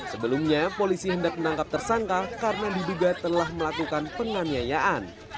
sebelumnya polisi hendak menangkap tersangka karena diduga telah melakukan penganiayaan